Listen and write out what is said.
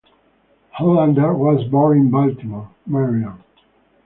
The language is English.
Hollander was born in Baltimore, Maryland.